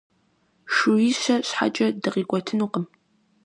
Шууищэ щхьэкӀэ дыкъикӀуэтынукъым.